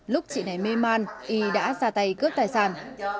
lúc chị này mê man y đã ra tay cướp tài sản